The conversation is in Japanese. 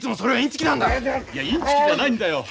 いやインチキじゃないんだよ。